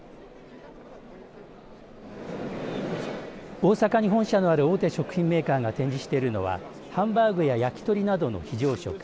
大阪に本社のある大手食品メーカーが展示しているのはハンバーグや焼き鳥などの非常食。